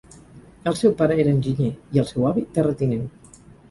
El seu pare era enginyer, i el seu avi, terratinent.